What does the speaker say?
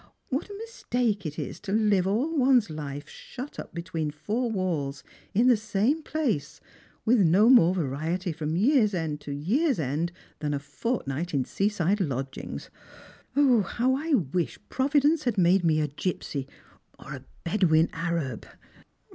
What a mistake it is to live all one's life shut up between four walls, in the same place, with no more variety from year's end to year's end than a fortnight in seaside lodgings ! 0, how I wish Providence had made me a gipsy, or a Bedouin Arab